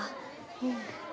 うん。